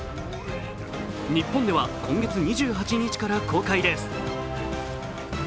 日本では今月２８日から公開です。